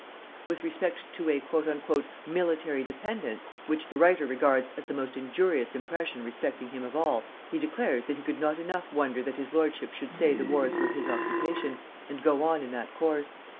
With respect to a "military dependence," which the writer regards as the most injurious impression respecting him of all, he declares that he could not enough wonder that his lordship should say the wars were his occupation, and go on in that course.